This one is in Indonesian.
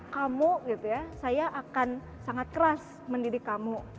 kamu saya akan sangat keras mendidik kamu